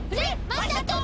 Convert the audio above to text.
まさとも！